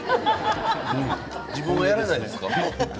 自分はやらないんですか？